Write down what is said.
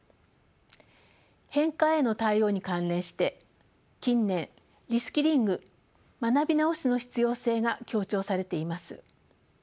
変化への対応に関連して近年リスキリング学び直しの必要性が強調されています。